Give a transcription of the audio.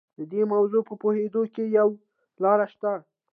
د دې موضوع په پوهېدو کې یوه لاره شته.